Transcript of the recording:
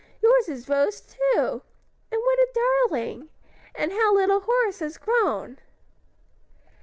Yours is Rose, too! and what a darling! and how little Horace has grown!"